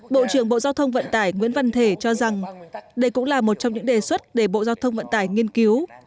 bộ trưởng bộ giao thông vận tải nguyễn văn thể cho rằng đây cũng là một trong những đề xuất để bộ giao thông vận tải nghiên cứu